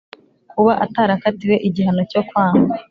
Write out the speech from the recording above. kuba atarakatiwe igihano cyo kwangwa